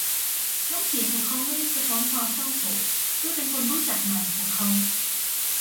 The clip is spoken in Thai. น้ำเสียงของเขาไม่ได้สะท้อนความเศร้าโศก ด้วยเป็นคนรู้จักใหม่ของเขา